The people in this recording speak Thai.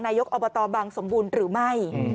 นายกอบตบังสมบูรณ์หรือไม่